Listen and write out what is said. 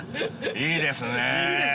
◆いいですね。